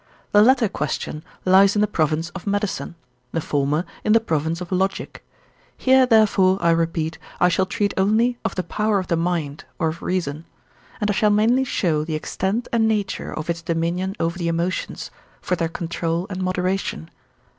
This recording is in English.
The latter question lies in the province of Medicine, the former in the province of Logic. Here, therefore, I repeat, I shall treat only of the power of the mind, or of reason; and I shall mainly show the extent and nature of its dominion over the emotions, for their control and moderation.